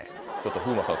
風磨さん